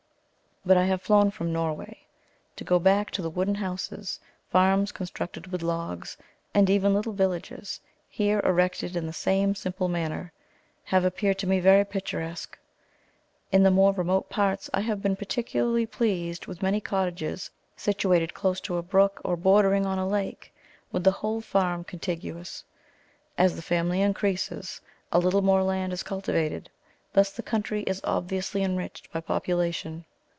But I have flown from Norway. To go back to the wooden houses; farms constructed with logs, and even little villages, here erected in the same simple manner, have appeared to me very picturesque. In the more remote parts I had been particularly pleased with many cottages situated close to a brook, or bordering on a lake, with the whole farm contiguous. As the family increases, a little more land is cultivated; thus the country is obviously enriched by population.